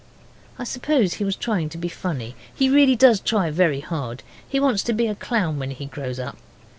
I suppose he was trying to be funny he really does try very hard. He wants to be a clown when he grows up.